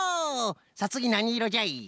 さあつぎなにいろじゃい？